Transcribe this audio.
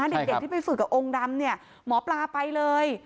เด็กที่ไปฝึกกับองค์ดำเนี่ยหมอปลาไปเลย